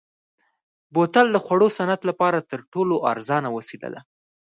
بوتل د خوړو صنعت لپاره تر ټولو ارزانه وسیله ده.